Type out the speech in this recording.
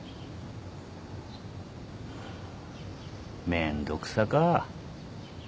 めんどくさか。